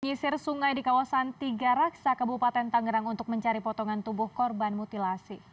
menyisir sungai di kawasan tiga raksa kabupaten tangerang untuk mencari potongan tubuh korban mutilasi